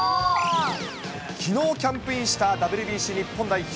きのうキャンプインしたＷＢＣ日本代表。